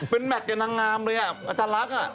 เป็นแมทกับนางงามเลยอาจารย์ลักษณ์